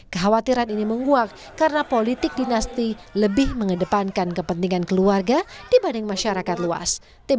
kekhawatiran ini menguak karena politik dinasti lebih mengedepankan kepentingan keluarga dibanding masyarakat luas